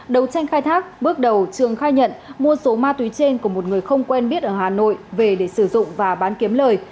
đầu tranh khai thác bước đầu trường khai nhận mua số ma túy trên của một người không quen biết ở hà nội về để sử dụng và bán kiếm lời